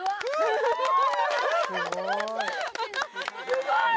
すごい！